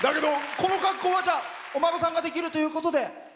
この格好はお孫さんができるということで。